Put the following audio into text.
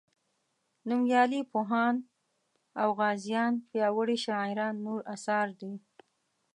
نومیالي پوهان او غازیان پیاوړي شاعران نور اثار دي.